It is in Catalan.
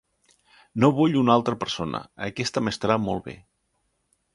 No vull una altra persona, aquest m'estarà molt bé.